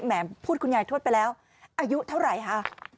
พูดคุณยายทวดไปแล้วอายุเท่าไหร่คะ